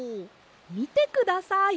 みてください。